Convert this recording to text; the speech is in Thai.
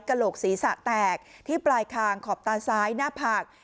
โหลกศีรษะแตกที่ปลายคางขอบตาซ้ายหน้าผาก